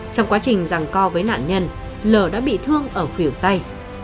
trong quá trình rằng co với nạn nhân lở đã bị thương ở khỉu tay